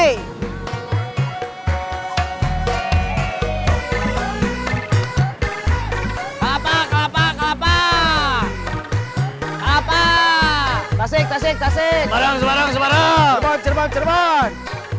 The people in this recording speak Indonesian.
kelapa kelapa kelapa kelapa tasik tasik tasik semarang semarang semarang cerman cerman